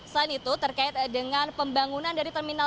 selain itu terkait dengan pembangunan dari terminal